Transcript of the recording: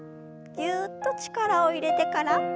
ぎゅっと力を入れてから抜きます。